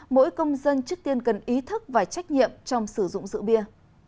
mỗi công dân trước tiên cần ý thức và trách nhiệm trong sử dụng rượu bia